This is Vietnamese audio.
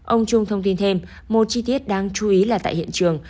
ông trung thông tin thêm một chi tiết đáng chú ý là tại hiện trường